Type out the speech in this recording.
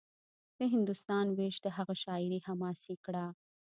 د هندوستان وېش د هغه شاعري حماسي کړه